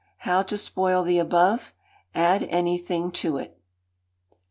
How to spoil the above: Add anything to it.